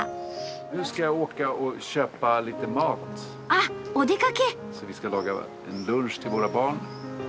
あっお出かけ！